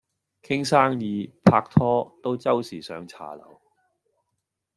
傾生意拍拖都周時上茶樓